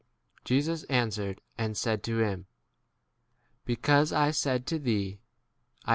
50 Jesus answered and said to him, Because I said to thee, I saw thee * T.